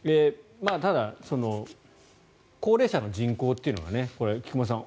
ただ、高齢者の人口というのが菊間さん